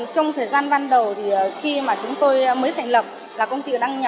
trong thời gian ban đầu thì khi mà chúng tôi mới thành lập là công ty đang